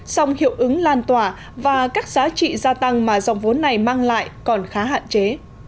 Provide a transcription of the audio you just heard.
song hiệu ứng lan tỏa và các giá trị gia tăng mà dòng vốn này mang lại còn khá hạn chế